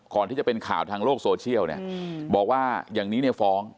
ก่อนที่จะเป็นข่าวทางโลกโซเชียลเนี่ยบอกว่าอย่างนี้เนี่ยฟ้อง